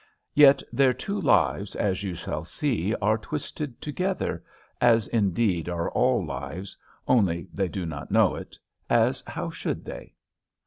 Yet their two lives, as you shall see, are twisted together, as indeed are all lives, only they do not know it as how should they?